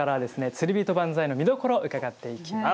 「釣りびと万歳」の見どころ伺っていきます。